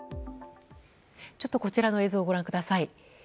ちょっとこちらの映像をご覧ください。